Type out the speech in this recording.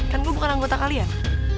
kan gue bukan anggota kalian